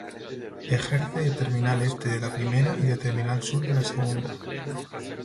Ejerce de terminal este de la primera y de terminal sur de la segunda.